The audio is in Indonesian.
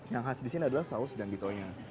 yang khas di sini adalah saus dan dito nya